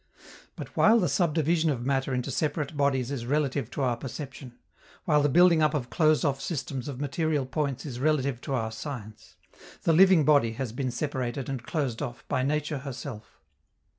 But, while the subdivision of matter into separate bodies is relative to our perception, while the building up of closed off systems of material points is relative to our science, the living body has been separated and closed off by nature herself.